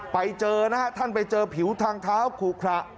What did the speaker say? ไปเจอนะฮะท่านไปเจอผิวทางเท้าขุขระ